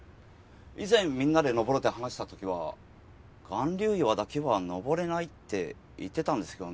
以前みんなで登ろうって話した時は巌流岩だけは登れないって言ってたんですけどね。